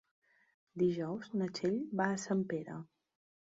Dijous na Txell va a Sempere.